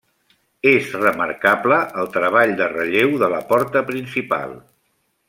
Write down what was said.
És remarcable el treball de relleu de la porta principal.